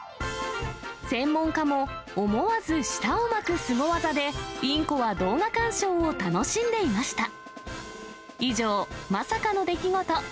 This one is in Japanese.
専門家も、思わず舌を巻くすご技で、インコは動画鑑賞を楽しんでいました。